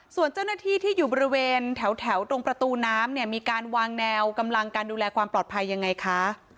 ส่วนเจ้าหน้าที่ที่อยู่บริเวณแถวตรงประตูน้ำเนี่ยมีการวางแนวกำลังการดูแลความปลอดภัยยังไงคะ